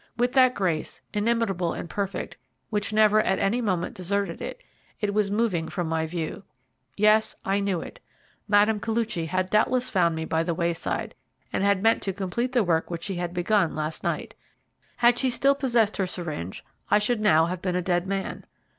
With that grace, inimitable and perfect, which never at any moment deserted it, it was moving from my view. Yes, I knew it. Mme. Koluchy had doubtless found me by the wayside, and had meant to complete the work which she had begun last night. Had she still possessed her syringe I should now have been a dead man.